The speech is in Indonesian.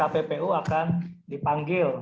oleh kppu akan dipanggil